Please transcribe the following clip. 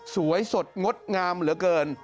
สวยสดงดงามเหลือเกิน